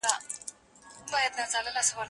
سیستم په هیواد کي عملي کیږي.